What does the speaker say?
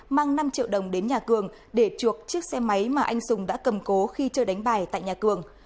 mang năm triệu đồng đến nhà cường để chuộc chiếc xe máy mà anh sùng đã cầm cố khi chơi đánh bài tại nhà cường